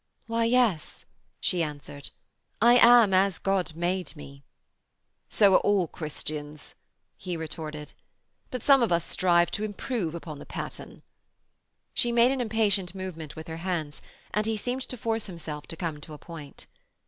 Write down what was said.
'Why, yes,' she answered. 'I am as God made me.' 'So are all Christians,' he retorted. 'But some of us strive to improve on the pattern.' She made an impatient movement with her hands, and he seemed to force himself to come to a point.